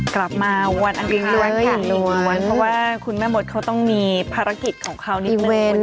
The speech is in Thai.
กลับมาวันอันเรียงล้วนค่ะล้วนเพราะว่าคุณแม่มดเขาต้องมีภารกิจของเขานิดนึง